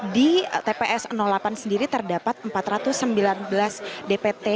di tps delapan sendiri terdapat empat ratus sembilan belas dpt